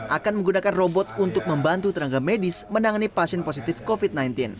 akan menggunakan robot untuk membantu tenaga medis menangani pasien positif covid sembilan belas